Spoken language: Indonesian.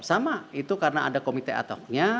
sama itu karena ada komite ad hoc nya